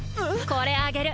これあげる。